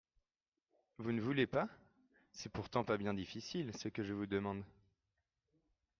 Vous ne voulez pas ? Ce n'est pourtant pas bien difficile, ce que je vous demande.